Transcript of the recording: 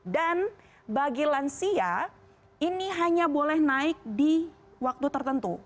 dan bagi lansia ini hanya boleh naik di waktu tertentu